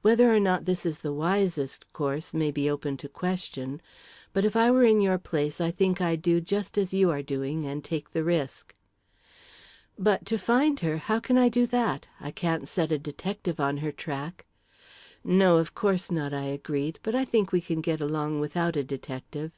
Whether or not this is the wisest course, may be open to question but if I were in your place, I think I'd do just as you are doing and take the risk." "But to find her how can I do that? I can't set a detective on her track." "No, of course not," I agreed; "but I think we can get along without a detective."